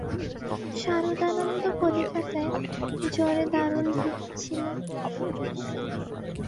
সারদানন্দ কলিকাতায় জ্বরে দারুণ ভুগছিল।